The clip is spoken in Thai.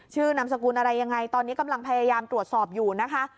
นามสกุลอะไรยังไงตอนนี้กำลังพยายามตรวจสอบอยู่นะคะ